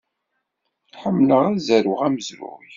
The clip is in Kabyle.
Ḥemmleɣ ad zerweɣ amezruy.